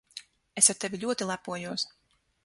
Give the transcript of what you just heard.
Es ar tevi ļoti lepojos.